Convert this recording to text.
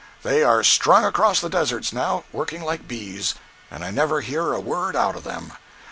They are strung across the deserts now, working like bees. And I never hear a word out of them.